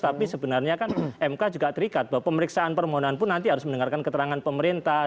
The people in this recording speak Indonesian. tapi sebenarnya kan mk juga terikat bahwa pemeriksaan permohonan pun nanti harus mendengarkan keterangan pemerintah